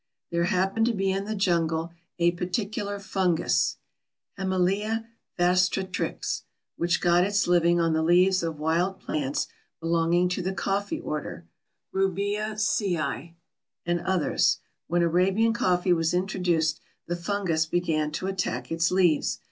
There happened to be in the jungle a particular fungus (Hemileia vastatrix) which got its living on the leaves of wild plants belonging to the coffee order (Rubiaceæ) and others. When Arabian coffee was introduced, the fungus began to attack its leaves.